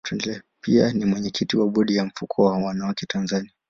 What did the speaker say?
Pia ni mwenyekiti wa bodi ya mfuko wa wanawake Tanzania.